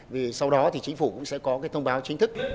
vì sau đó thì chính phủ cũng sẽ có cái thông báo chính thức